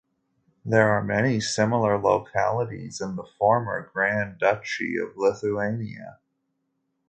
There are many similar localities in the former Grand Duchy of Lithuania.